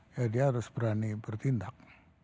ya dia harus berani bertindak